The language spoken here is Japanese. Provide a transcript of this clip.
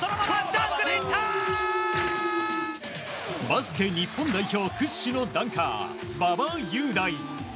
バスケ日本代表屈指のダンカー馬場雄大。